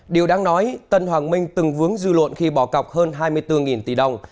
điều đáng nói tân hoàng minh từng vướng dư luận khi bỏ cọc hơn hai mươi bốn tỷ đồng